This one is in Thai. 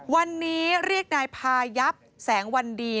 วันนี้เรียกนายพายับแสงวันดี